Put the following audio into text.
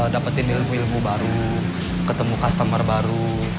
dapetin ilmu ilmu baru ketemu customer baru